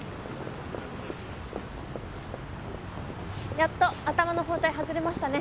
やっと頭の包帯外れましたね